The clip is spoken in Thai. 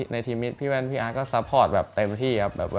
ในชีวิตพี่แว่นพี่อาร์ตก็ซัพพอร์ตแบบเต็มที่ครับ